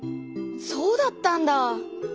そうだったんだ。